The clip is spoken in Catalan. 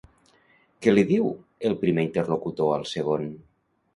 Què li diu el primer interlocutor al segon?